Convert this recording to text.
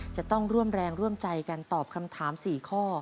จะต้องร่วมแรงร่วมใจกันตอบคำถาม๔ข้อ